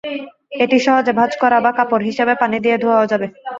এটি সহজে ভাঁজ করা বা কাপড় হিসেবে পানি দিয়ে ধোয়াও যাবে।